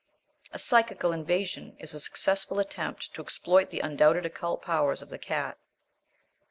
A Psychical Invasion is a successful attempt to exploit the undoubted occult powers of the cat.